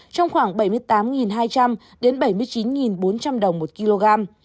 trong khoảng bảy mươi tám hai trăm linh đến bảy mươi chín bốn trăm linh tấn